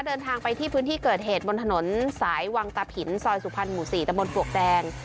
เดินทางไปที่พื้นที่เกิดเหตุบนถนนสายวังตะผินซอยสุพรรณหมู่๔ตะบนปลวกแดง